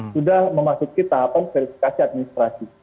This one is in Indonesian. sudah memasuki tahapan verifikasi administrasi